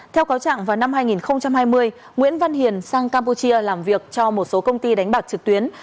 theo cáo trạng vào năm hai nghìn hai mươi nguyễn văn hiền sang campuchia làm việc cho một số công ty đánh bạc trực tuyến